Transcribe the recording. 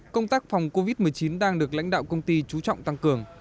công tác phòng covid một mươi chín đang được lãnh đạo công ty chú trọng tăng cường